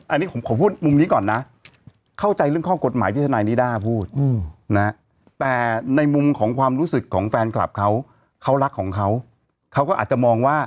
อันนี้ผมขอพูดมุมนี้ก่อนนะเข้าใจเรื่องข้อกฎหมายที่ทนายนิด้าพูดนะแต่ในมุมของความรู้สึกของแฟนคลับเขาเขารักของเขาเขาก็อาจจะมองว่า